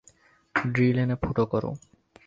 Drill এনে ফুটো করো।